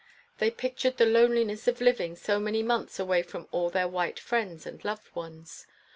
They pictured the loneliness of liv ing so many months away from all their white friends and loved ones.